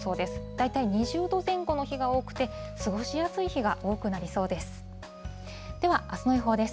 大体２０度前後の日が多くて、過ごしやすい日が多くなりそうです。